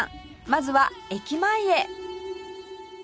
まずは駅前へ